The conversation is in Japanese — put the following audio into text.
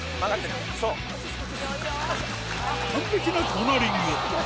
完璧なコーナリング